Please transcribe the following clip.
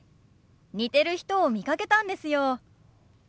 似てる人を見かけたんですよ。